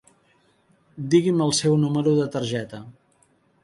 Digui'm el seu número de targeta.